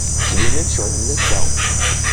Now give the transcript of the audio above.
Ttbinen-d ceɣlen assa.